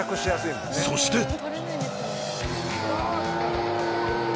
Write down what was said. そして。